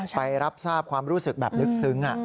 ไปรับทราบความรู้สึกแบบลึกซึ้ง